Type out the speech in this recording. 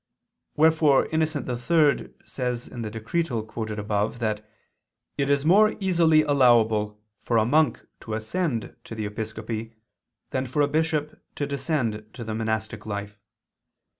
Wherefore Innocent III says in the Decretal quoted above that "it is more easily allowable for a monk to ascend to the episcopacy, than for a bishop to descend to the monastic life.